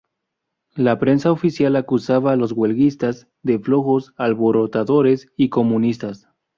La prensa oficial acusaba a los huelguistas de flojos, alborotadores y comunistas.